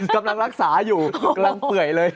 กำลังรักษาอยู่กำลังเปื่อยเลย